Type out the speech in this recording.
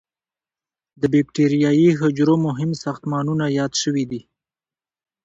د بکټریايي حجرو مهم ساختمانونه یاد شوي دي.